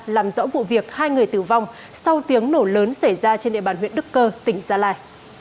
làm rõ vụ việc hai người tử vong sau tiếng nổ lớn xảy ra trên địa bàn huyện đức cơ tỉnh gia lai